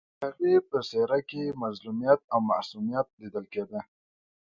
د هغې په څېره کې مظلومیت او معصومیت لیدل کېده